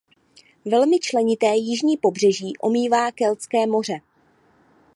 Velmi členité jižní pobřeží omývá Keltské moře.